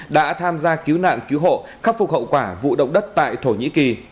đã tham gia cứu nạn cứu hộ khắc phục hậu quả vụ động đất tại thổ nhĩ kỳ